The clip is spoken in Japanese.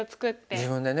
自分でね。